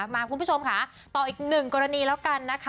คุณผู้ชมค่ะต่ออีกหนึ่งกรณีแล้วกันนะคะ